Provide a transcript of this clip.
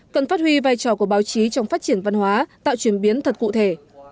cần phát huy vai trò của báo chí trong phát triển văn hóa tạo truyền biến thật cụ thể